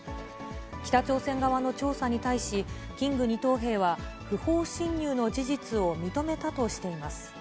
北朝鮮側の調査に対し、キング２等兵は、不法侵入の事実を認めたとしています。